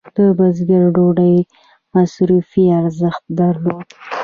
د بزګر ډوډۍ مصرفي ارزښت درلود.